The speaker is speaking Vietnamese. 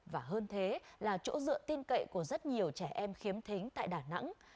và hơn thế là chỗ dựa tin cậy của rất nhiều trẻ em khiếm thính tại đà nẵng